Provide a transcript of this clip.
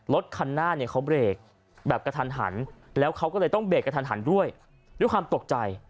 รถคันหน้าเนี่ยเขาเบรกแบบกระทันหันแล้วเขาก็เลยต้องเบรกกระทันหันด้วยด้วยความตกใจ